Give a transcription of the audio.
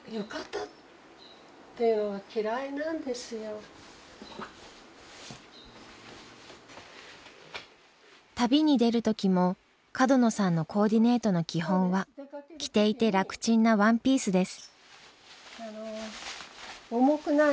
私あの旅に出る時も角野さんのコーディネートの基本は着ていて楽ちんなワンピースです。